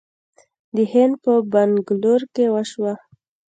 د هند په بنګلور کې وشوه